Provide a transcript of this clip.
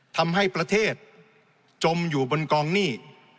ทำให้ประเทศจมอยู่บนกองหนี้